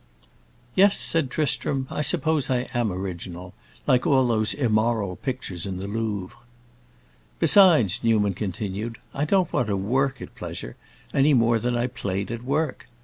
"Yes," said Tristram, "I suppose I am original; like all those immoral pictures in the Louvre." "Besides," Newman continued, "I don't want to work at pleasure, any more than I played at work.